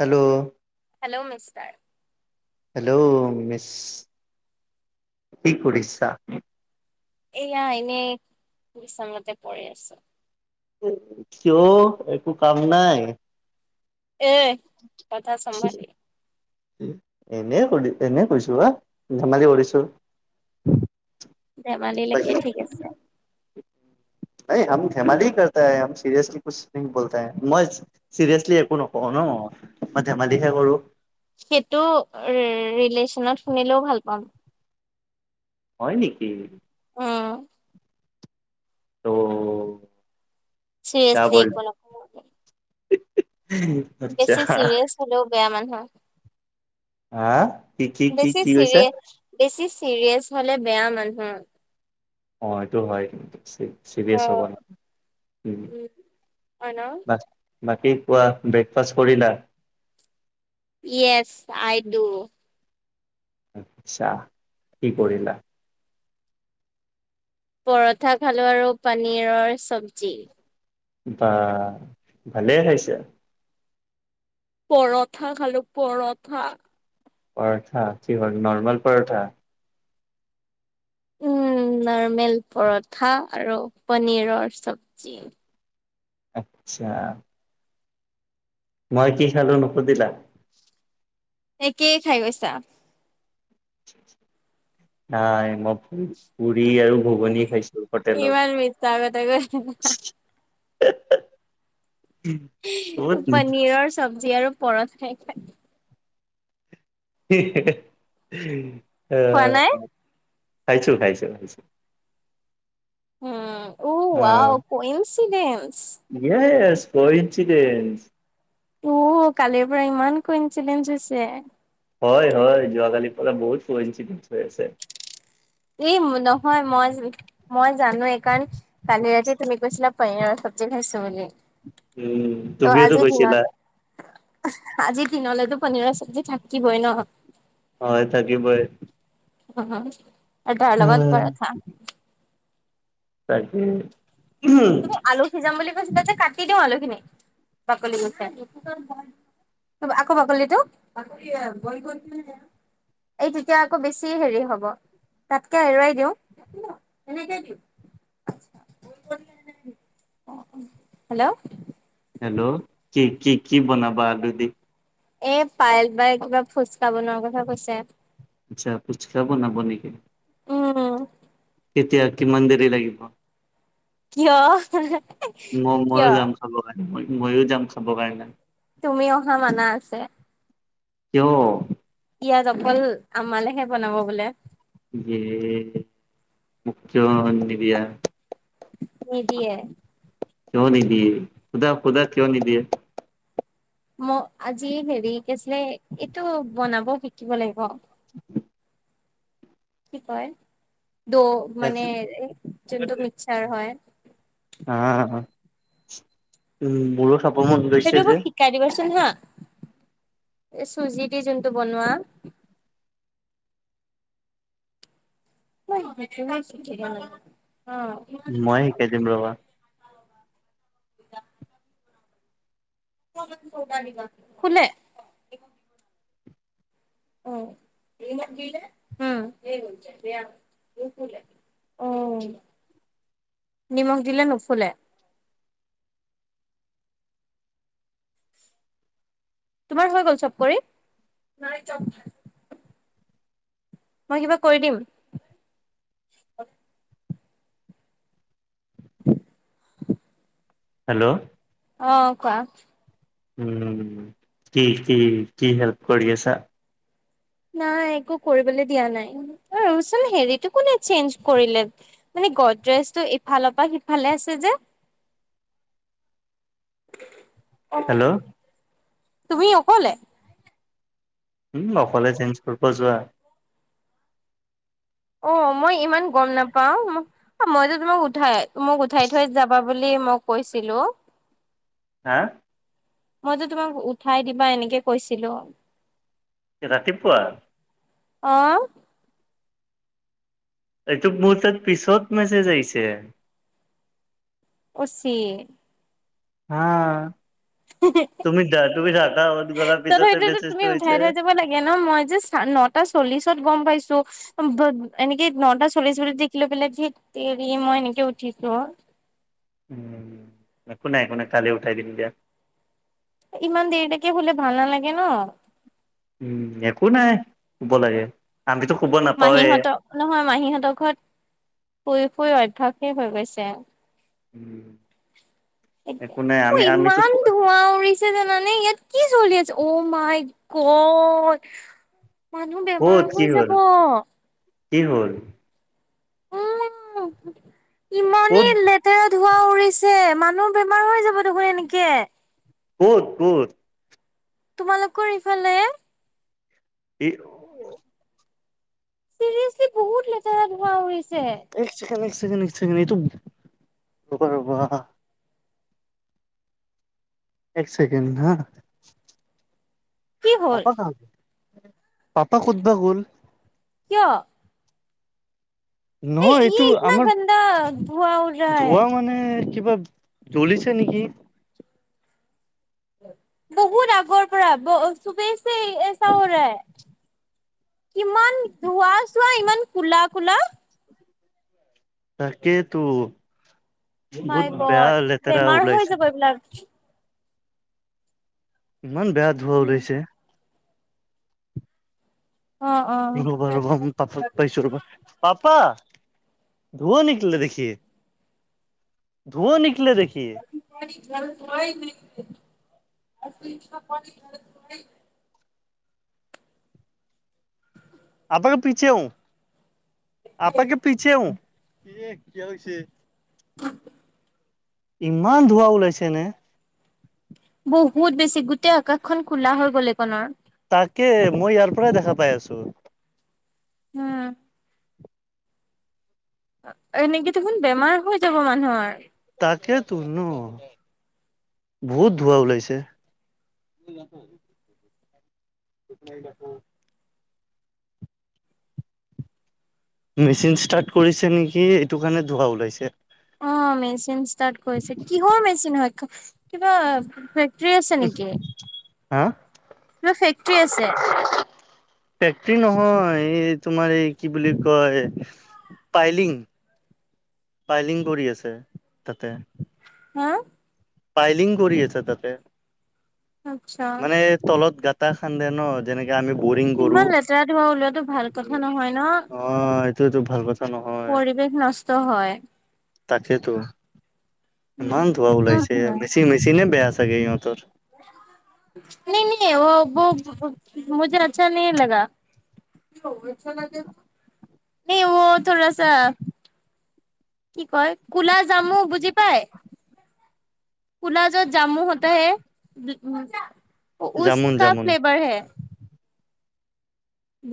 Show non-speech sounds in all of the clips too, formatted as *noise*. Hello? Hello mister. Hello miss, কি কৰিছা? এয়া এনেই বিচনাতে পৰি আছো। কিয় একো কাম নাই? *inaudible* এ কথা চম্ভালি এনে কৰি এনে কৰিছো হ ধেমালি কৰিছো। *inaudible* ধেমালিলৈকে ঠিক আছে। হাই হাম ধেমালি কাৰতা হে হাম চিৰিয়াছলি কুছ নাহি বলতা হে, মই চিৰিয়াচলি একো নকওঁ ন, মই ধেমালিহে কৰো। সেইটো ৰি ৰিলেচনত শুনিলেও ভাল পাম। হয় নেকি? উম অ দ্যা চিৰিয়াছলি বল একো নকওঁ *unintelligible* বেছি চিৰিয়াছ হলেও বেয়া মানুহ। হা কি কি কি বেছি কি কৈছা? চিৰিয়াছ বেছি চিৰিয়াছ হলে বেয়া মানূহ। অঁ সেইটো হয় কিন্তু ছি অ ছিৰিয়াছ হ'ব ন, উম। অ ন। বাকী কোৱা ব্ৰেকফাষ্ট কৰিলা? Yes I do. আচ্ছা, কি কৰিলা? পৰঠা খালো আৰু পানীৰৰ চৱজি। বা ভালেই খাইছে। পৰঠা খালো পৰঠা। পৰঠা কি হয়' নৰ্মেল পৰঠা? উম', নাৰৰ্মেল পৰঠা আৰু পনীৰৰ চবজি। আচ্ছা',। মই কি খালো নুসুধিলা? একেই কি খাই গৈছা? নাই মই পুৰি আৰু ঘুগুনী খাইছো ইমান মিছা কথা কৈ হোটেলত পনীৰৰ চব্জি আৰু পৰঠ খাই খোৱা আহ', নাই খাইছোঁ খাইছোঁ। উম', উৱ গো এনছদেন। এছ গো এনছদেন। অ', কালিৰ পৰা ইমান গোইনঞ্চিডেজ হৈছে। হয়', হয়', যোৱাকালিৰ পৰা বহুত গোইনঞ্চিডেজ হৈ আছে। এই নহয় মই। মই জানো এই কাৰণ, কালি ৰাতি তুমি কৈছিলা পনিৰেৰ চব্জি খাইছো বুলি। উম ত' তুমিওতো আজিৰ কৈছিলা দিনত আজিৰ দিনলেতো পনীৰৰ চব্জি থাকিবই ন'। হয়', থাকিবই। উম', আৰু তাৰ লগত পৰঠা। তাকেই। তুমি আলু সিজাম বুলি কৈছিলা যে কাটি দিওঁ, আলু খিনি বাকলি গুচাই। ত' আকৌ বাকলি টো এই তেতিয়া আকৌ বেছি হেৰি হ'ব, তাতকে এৰুৱাই দিওঁ। হেল্ল' হেল্ল' কি- কি- কি বনাবা আলু দি? এ' পাইল বাই কিবা ফোচকা বনোৱাৰ কথা কৈছে। আচ্ছা ফোচকা বনাব নেকি? উম',। কেতিয়া কিমান দেৰি লাগিব। কিয়? ম'- ময়ো কিয় যাম খাবৰ কাৰণে, ময়ো যাম খাবৰ কাৰণে। তুমি অহা মানা আছে। কিয়? ইয়াত অকল আমালেহে বনাব বোলে। এই মোক কিয় নিদিয়া? নিদিয়ে। কিয় নিদিয়ে, খুদা খুদা কিয় নিদিয়ে? মই আজি হেৰি কৈছিলে এইটো বনাব শিকিব লাগিব। উ কি কয়, দৌ মানে যোনটো মিক্সাৰ হয়। আহ' উম' মোৰো খাব মন সেইটো গৈছে মোক যে। শিকাই দিব চোন হা, এই চুজি দি যোনটো বনোৱা। অ',। মই শিকাই দিম ৰ'বা। *unintelligible* শুলে উম সি মোক দিলে উম তেতিয়া নোশুলে অ নিমখ দিলে নুফুলে তোমাৰ হৈ গ'ল চব কৰি মই কিবা কৰি দিম *unintelligible* হেল্ল' অ কোৱা উম কি কি কি হেল্প কৰি আছা? নাই একো কৰিবলে দিয়া নাই ৰ চোন হেৰিটো কোনে চেঞ্জ কৰিলে মানে গডৰেজটো ইফালৰ পৰা সিফালে আছে যে হেল্ল' তুমি অকলে? উম অকলে চেঞ্জ কৰিব যোৱা অ মই ইমান গম নাপাওঁ ম অ মইতো তোমাক উঠাই মোক উঠাই থৈ যাবা বুলি মই কৈছিলোঁ হা মইযে তোমাক উঠাই দিবা এনেকে কৈছিলোঁ ৰাতিপুৱা? অ এইটো মোৰ তাত পিছত মেছেজ আহিছে অ চে আ অন কৰাৰ পিছতে তথাপিতো মেছেজটো তুমি হৈছে উঠাই থৈ যাব লাগে ন মই জাচ নটা চল্লিশত গম পাইছো এনেকে নটা চল্লিশ মিনিট দেখিলৈ পেলাই ধেত তেৰি মই এনেকে উঠিছো উম একো নাই একো নাই কালি উঠাই দিম দিয়া ইমান দেৰিলৈকে শুলে ভাল নালাগে ন উম একো নাই শুব লাগে আমিটো শুব না মাহীহঁতৰ নহয় মাহীহঁতৰ ঘৰত ফুৰি ফুৰি অভ্যাসেই হৈ গৈছে উম এতিয়া অ ইমান ধোঁৱা উৰিছ ছে জানানে ইয়াত কি জলি আছে অ মাই গড মানুহ বেমাৰ ক'ত কি হৈ হ'ল যাব কি হ'ল? ক'ত ইমানেই লেত তেৰা ধোঁৱা উৰিছে মানুহ বেমাৰ হৈ যাব দেখোন এনেকে ক'ত ক'ত তোমালোকৰ ইফালে এই চিৰিয়াচলি বহুত লেতেৰা ধোৱা উৰিছে এক ছেকেণ্ড এক ছেকেণ্ড এক ছেকেণ্ড এইটো ৰ'বা ৰ'বা এক ছেকেণ্ড হা কি হ'ল পাপা কা ক'তবা গ'ল। কিয়? এই নহয় ই এইটো ইতনা আমাৰ ধোৱা উৰ ৰাহা হে। ধোঁৱা মানে কিবা জ্বলিছে নেকি? বহুত আগৰ পৰা, চুবহছে এইচা হো' ৰাহাহে। কিমান ধোঁৱা চোৱা ইমান কো'লা কোলা। তাকেতো বহুত বেয়া লেতেৰা ওলাইছে। লাকচ। ইমান বেয়া ধোঁৱা ওলাইছে। অ' অ' ৰ'বা ৰ'বা পাপ পাইছো ৰ'বা পাপা ধুুৱা নিকলা দেখিয়ে। ধুঁৱা নিকলে দেখিয়ে। গলত হয় ন আ গ। আপকা পিছে হু আপকা পিছেহু। ছে হু। ইমান ধোঁৱা ওলাইছেনে? বহুত বেছি গোটেই আকাশখন কোলা হৈ গ'ল এইকণৰ। তাকে মই ইয়াৰ পৰাই দেখা পাই আছো। উম। এনেকে দেখোন বেমাৰ হৈ যাব মানুহৰ। তাকেইতো ন বহুত ধোঁৱা ওলাইছে। ঠিক আছে। *unintelligible* মেচিন ষ্টাৰ্ট কৰিছে নেকি এইটো কাৰণে ধোঁৱা ওলাইছে। অ' মেচিন ষ্টাৰ্ট কৰিছে। কিহৰ মেচি হয়? কিবা আছে ওহ হা। তোমা ফেক্টৰী আছে। ফেক্টী নহয় এই তোমাৰ এই কি বুলি কয় পাইলিং পাইলিং কৰি আছে তাতে। হা। পাইলিং কৰি আছে তাতে, আচ্ছা। মানে তলত গাটা খান্দে ন। যেনেকে আমি বৰিং কৰো, ইমান লেতেৰা ধোৱা ওলোৱাটো ভাল কথা নহয় ন অ' এইটোটো ভাল কথা। নহয় পৰিৱেশ নষ্ট হয়। তাকেতো ইমান ধোঁৱা ওলাইছে, মেচিনে মেচিনে বেয়া চাগে ইহঁতৰ। নেই নেই অ' মুঝে আচ্ছা নেহি লাগা। নেহি অ' থোৰাচা কি কয় কোলা জামু বুজি পাই? কোলা য' জামু হ'তা হে জামুন উচকা জামুন ফ্লেভাৰ হে।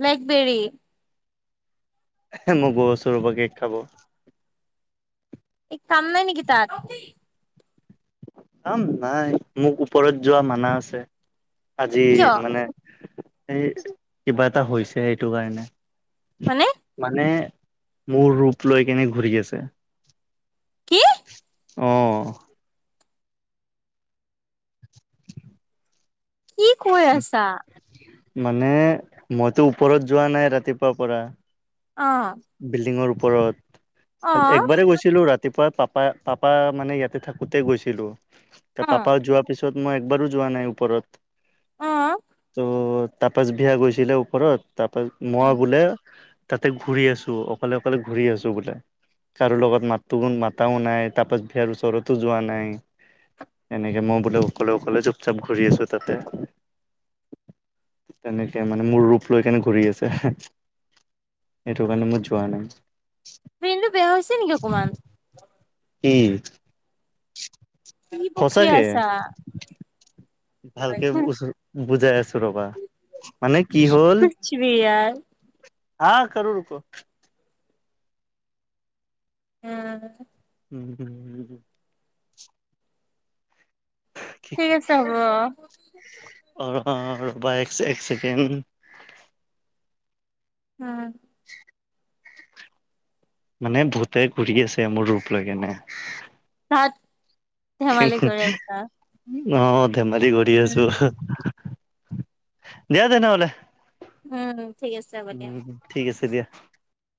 ব্লেকবেৰী। মই গৈইছো ৰবা পৰা কেক খাব। এই কাম নাই নেকি তাত? কাম নাই, মোক ওপৰত যোৱা মানা আছে। আজি কিয় মানে এই কিবা এটা হৈছে সেইটো কাৰণে। মানে? মানে মোৰ ৰূপ লৈ কিনে ঘূৰি আছে। কি? অ'। কি কৈ আছা? মানে মইতো ওপৰত যোৱা নাই ৰাতিপুৱাৰ পৰা। অঁ। বিল্ডিঙৰ ওপৰত, একবাৰে গৈছিলো ৰাতিপুৱা পাপ- পা পাপা মানে ইয়াতে থাকোতে গৈছিলো। অ তা পাপা যোৱা- পিছত মই একবাৰো যোৱা নাই ওপৰত। অঁ। ত' তপাচ বিহা গৈছিলে ওপৰত, তপাছ মই বোলে- তাতে ঘূৰি আছো অকলে অকলে ঘূৰি আছো বোলে। কাৰো লগত মাতো মাতাও নাই তপাছ বিহাৰ ওচৰতো যোৱা নাই। এনেকে মই বোলে অকলে অকলে চুপ চাপ ঘূৰি আছো তাতে। তেনেকে মানে মোৰ ৰূপ লৈ কেনে ঘূৰি আছে এহে। এইটো কাৰনে মই যোৱা নাই। ব্ৰেইনটো বেয়া হৈছে নেকি অকমান? কি? কি বকী সঁচাকে আছা? ভালকে ওচৰ বুজাই আছো ৰবা। মানে কি হ'ল? চিৰিয়া- হা কৰো ৰোকৌ। উম। উম উম। ঠিক আছে হ'ব। অঁ অঁ ৰবা এক চেকেণ্ড। আ *unintelligible* মানে ভূতে ঘূৰি আছে মোৰ ৰূপ লৈ কেনে। তাত- হমহ, অ ধেমালি কৰি উম আছো। আহ দিয়া তেনেহলে। উম ঠিক আছে হ'ব দিয়া। উম ঠিক আছে দিয়া।